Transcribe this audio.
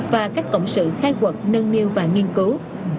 và các cộng sự khai quật nâng niu và nghiên cứu